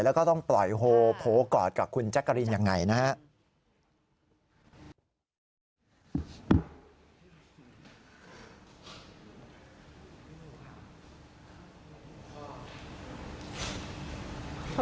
แล้วก็ต้องปล่อยโฮโผล่กอดกับคุณแจ๊กกะรีนยังไงนะครับ